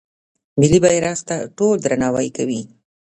ملي بیرغ ته ټول درناوی کوي.